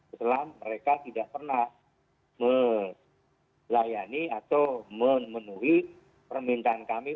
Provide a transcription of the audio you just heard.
setelah mereka tidak pernah melayani atau memenuhi permintaan kami